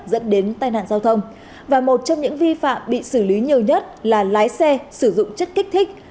dẫn đến tai nạn giao thông và một trong những vi phạm bị xử lý nhiều nhất là lái xe sử dụng chất kích thích